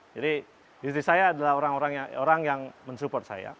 jadi istri saya adalah orang orang yang support saya